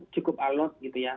cukup alot gitu ya